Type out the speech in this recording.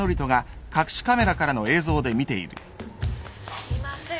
すいません。